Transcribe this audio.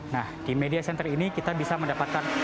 nah di media center ini kita bisa mendapatkan